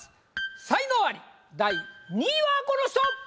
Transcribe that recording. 才能アリ第２位はこの人！